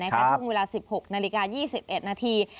ช่วงเวลา๑๖นาฬิกา๒๑นาที